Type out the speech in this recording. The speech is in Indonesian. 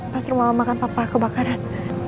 pas rumah mama makan papa kebakaran